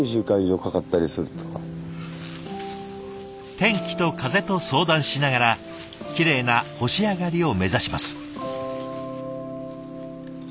天気と風と相談しながらきれいな干し上がりを目指します。